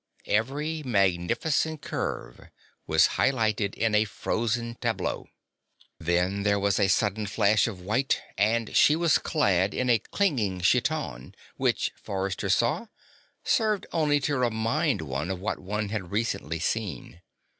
Every magnificent curve was highlighted in a frozen tableau. Then there was a sudden flash of white, and she was clad in a clinging chiton which, Forrester saw, served only to remind one of what one had recently seen.